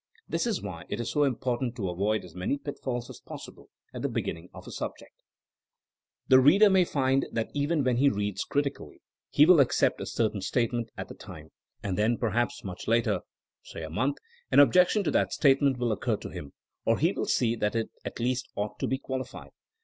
This is why it is so important to avoid as many pitfalls as possible at the beginning of a subject. The reader may find that even when he reads critically he will accept a certain statement at the time; and then perhaps much later, say a month, an objection to that statement will occur to him, or he will see that it at least ought to be qualified.